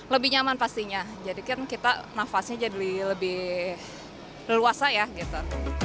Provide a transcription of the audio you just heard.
lebih nyaman pastinya jadi kan kita nafasnya jadi lebih leluasa ya gitu